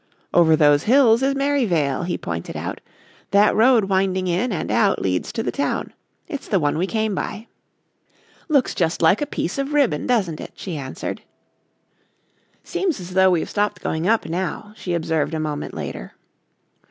"Over those hills is Merryvale," he pointed out. "That road winding in and out leads into the town. It's the one we came by." "Looks just like a piece of ribbon, doesn't it?" she answered. "Seems as though we've stopped going up now," she observed a moment later.